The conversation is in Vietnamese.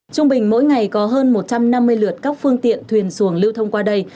trung bình mỗi ngày có hơn một trăm năm mươi lượt các phương tiện thuyền xuồng lưu thông qua đây